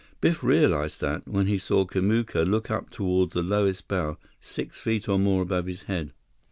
Biff realized that, when he saw Kamuka look up toward the lowest bough, six feet or more above his head.